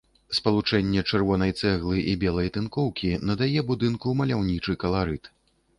Спалучэнне чырвонай цэглы і белай тынкоўкі надае будынку маляўнічы каларыт.